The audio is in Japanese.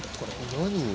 何を？